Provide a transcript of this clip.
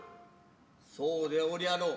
そうでおりゃりょう。